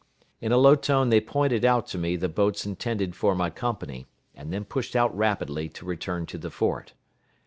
In a low tone they pointed out to me the boats intended for my company, and then pushed out rapidly to return to the fort.